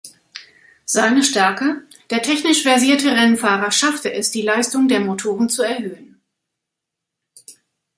Seine Stärke: Der technisch versierte Rennfahrer schaffte es, die Leistung der Motoren zu erhöhen.